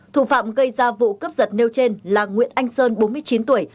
thủ phạm gây ra vụ cướp giật nêu trên là nguyễn anh sơn bốn mươi chín tuổi